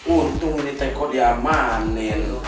untung ini teko diamanin